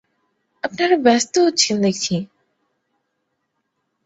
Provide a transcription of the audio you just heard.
আপনারা ব্যস্ত হচ্ছেন দেখছি।